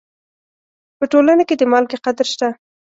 په ټولنه کې د مالګې قدر شته.